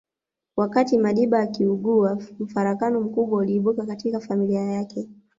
Wakati Madiba akiugua mfarakano mkubwa uliibuka katika familia yake